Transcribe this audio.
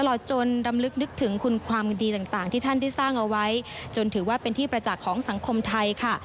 ตลอดจนรำลึกนึกถึงคุณความดีต่างที่ท่านได้สร้างเอาไว้จนถือว่าเป็นที่ประจักษ์ของสังคมไทยค่ะ